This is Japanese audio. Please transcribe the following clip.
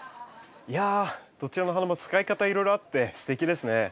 いやどちらの花も使い方いろいろあってすてきですね。